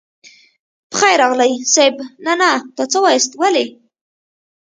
په خير راغلئ صيب نه نه دا څه واياست ولې.